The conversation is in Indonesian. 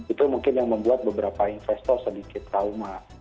itu mungkin yang membuat beberapa investor sedikit trauma